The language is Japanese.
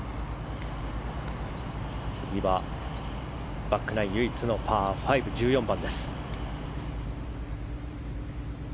次はバックナイン唯一のパー５、１４番。